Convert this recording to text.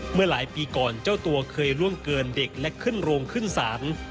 เมื่อหลายปีก่อนเจ้าตัวเคยล่วงเกินเด็กและขึ้นโรงขึ้นศาล